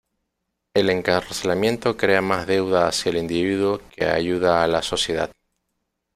El encarcelamiento crea más deuda hacia el individuo que ayuda a la sociedad.